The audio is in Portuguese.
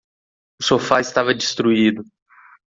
O sofá estava destruído